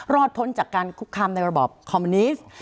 พ้นจากการคุกคามในระบอบคอมมิวนิสต์